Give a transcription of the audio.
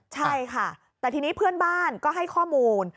ใช่ค่ะแต่พื้นบ้านก็ให้ข้อมูล